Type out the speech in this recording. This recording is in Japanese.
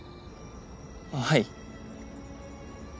はい。